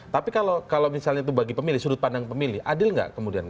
tapi kalau misalnya itu bagi pemilih sudut pandang pemilih adil nggak kemudian